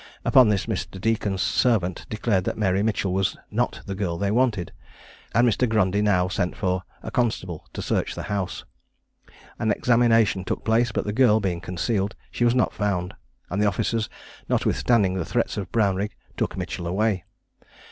Upon this Mr. Deacon's servant declared that Mary Mitchell was not the girl they wanted, and Mr. Grundy now sent for a constable to search the house. An examination took place, but, the girl being concealed, she was not found; and the officers, notwithstanding the threats of Brownrigg, took Mitchell away.